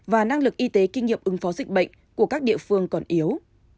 và năng lực y tế kinh nghiệm ứng phó dịch bệnh của các địa phương còn yếu